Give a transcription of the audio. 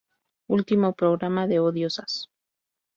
Último Programa de "Oh, Diosas!